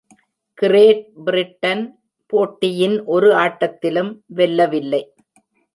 Great Britain போட்டியின் ஒரு ஆட்டத்திலும் வெல்லவில்லை.